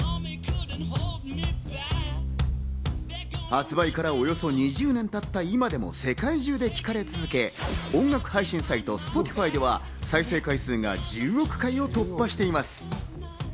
発売からおよそ２０年たった今でも世界中で聞かれ続け、音楽配信サイト・Ｓｐｏｔｉｆｙでは再生回数が１０億回を突破しています。